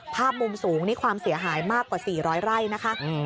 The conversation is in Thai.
ภาพมุมสูงนี่ความเสียหายมากกว่า๔๐๐ไร่นะคะ